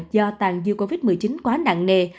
do tàn dư covid một mươi chín quá nặng nề